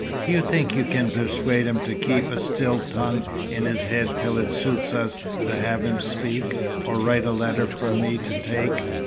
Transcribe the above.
"Do you think you can persuade him to keep a still tongue in his head till it suits us to have him speak, or write a letter for me to take?"